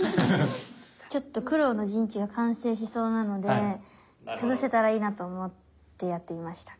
ちょっと黒の陣地が完成しそうなので崩せたらいいなと思ってやってみました。